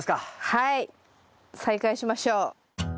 はい再開しましょう。